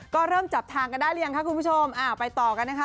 ก็เริ่มจับทางกันได้หรือยังคะคุณผู้ชมอ่าไปต่อกันนะคะ